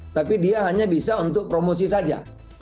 tapi dia hanya bisa untuk promosi saja